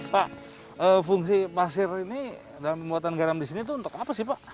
pak fungsi pasir ini dalam pembuatan garam di sini itu untuk apa sih pak